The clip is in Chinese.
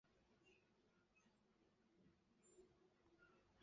阿河最终在格拉沃利讷注入北海。